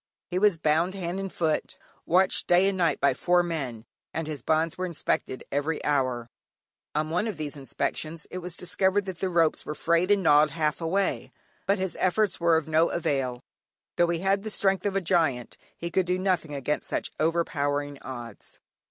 He was bound hand and foot, watched night and day by four men, and his bonds were inspected every hour; on one of these inspections it was discovered that the ropes were frayed and gnawed half away. But his efforts were of no avail; though he had the strength of a giant he could do nothing against such overpowering odds.